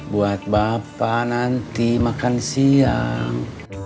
buat bapak nanti makan siang